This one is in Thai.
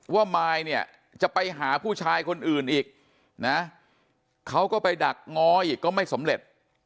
มายเนี่ยจะไปหาผู้ชายคนอื่นอีกนะเขาก็ไปดักง้ออีกก็ไม่สำเร็จ